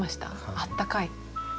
あったかい。